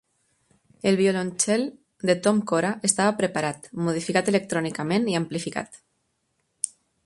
El violoncel de Tom Cora estava preparat, modificat electrònicament i amplificat.